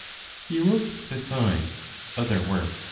He wrote besides other works.